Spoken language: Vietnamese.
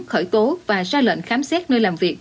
khởi tố và ra lệnh khám xét nơi làm việc